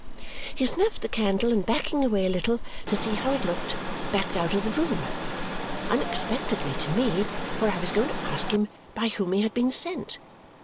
He snuffed the candle, and backing away a little to see how it looked, backed out of the room unexpectedly to me, for I was going to ask him by whom he had been sent.